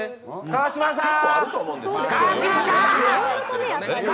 川島さん！